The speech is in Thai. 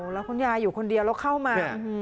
แล้วคุณยายอยู่คนเดียวแล้วเข้ามา